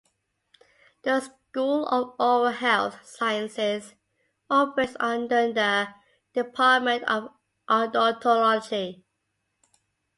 The School of Oral Health Sciences operates under the Department of Odontology.